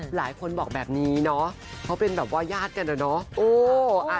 หลายคนบอกแบบนี้เนาะเขาเป็นแบบว่าญาติกันอะเนาะ